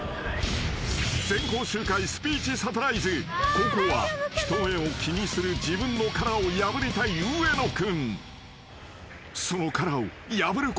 ［後攻は人目を気にする自分の殻を破りたい上野君］